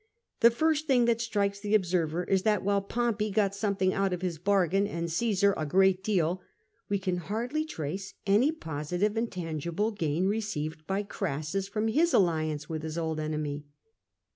The first thing that strikes the observer is that while Pompey got something out of his bargain, and CsQsar a great deal, we can hardly trace any positive and tangible gain received by Crassus from his alliance with his old enemy.